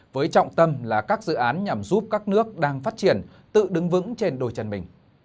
với trọng tâm là các dự án nhằm giúp các nước đang phát triển tự đứng vững trên đôi chân mình